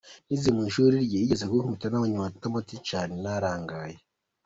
Nize mu ishuri rye, yigeze kunkubita nabonye amanota make cyane, narangaye.